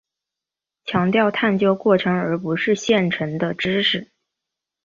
强调探究过程而不是现成的知识。